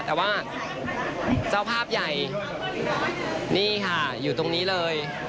แต่ว่าเจ้าภาพใหญ่นี่ค่ะอยู่ตรงนี้เลย